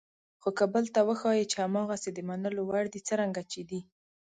خو که بل ته وښایئ چې هماغسې د منلو وړ دي څرنګه چې دي.